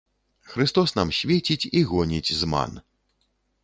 Хрыстос нам свеціць і гоніць зман.